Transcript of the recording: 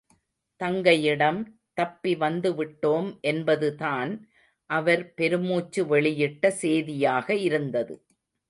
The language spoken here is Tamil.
தங்கையிடம் தப்பி வந்துவிட்டோம் என்பதுதான் அவர் பெருமூச்சு வெளியிட்ட சேதியாக இருந்தது.